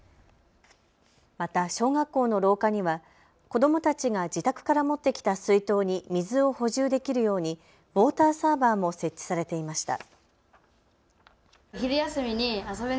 また小学校の廊下には子どもたちが自宅から持ってきた水筒に水を補充できるようにウォーターサーバーも設置されていました。